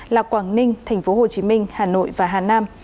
là quảng ninh tp hcm hà nội và hà nam